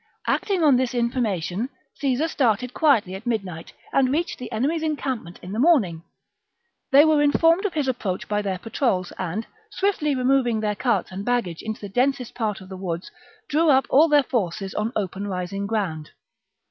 Acting on this information, Caesar started quietly at midnight and reached the enemy's encampment in the morning. They were informed of his approach by their patrols, and, swiftly removing their carts and baggage into the densest parts of the woods, drew up all their forces on open rising ground.